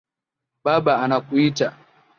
Baba anakuita